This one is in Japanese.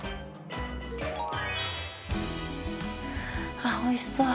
あおいしそう。